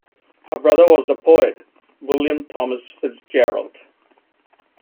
Her brother was the poet, William Thomas Fitzgerald.